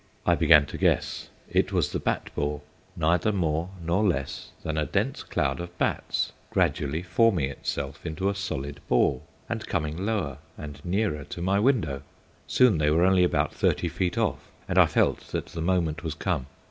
I began to guess. It was the bat ball; neither more nor less than a dense cloud of bats, gradually forming itself into a solid ball, and coming lower, and nearer to my window. Soon they were only about thirty feet off, and I felt that the moment was come.